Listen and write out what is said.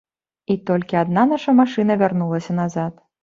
І толькі адна наша машына вярнулася назад.